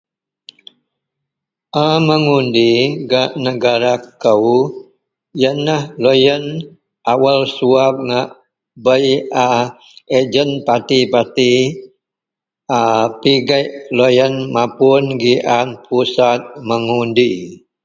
A mengundi gak negara kou yianlah lo yian awal suab ngak bei agen parti- parti a pigek lo yian mapun pusat mengundi.